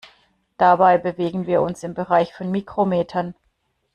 Dabei bewegen wir uns im Bereich von Mikrometern.